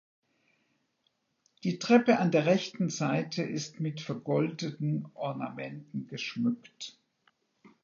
Die Treppe an der rechten Seite ist mit vergoldeten Ornamenten geschmückt.